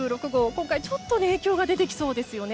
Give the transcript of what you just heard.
今回、ちょっと影響が出てきそうですよね。